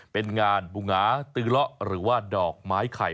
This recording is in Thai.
เป็นงานบูหงาตือเลาะหรือว่าดอกไม้ไข่